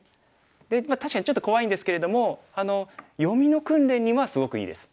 で確かにちょっと怖いんですけれども読みの訓練にはすごくいいです。